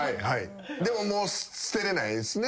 でももう捨てれないですね。